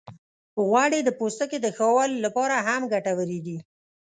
غوړې د پوستکي د ښه والي لپاره هم ګټورې دي.